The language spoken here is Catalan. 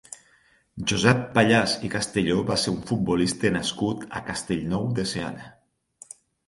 Josep Pallàs i Castelló va ser un futbolista nascut a Castellnou de Seana.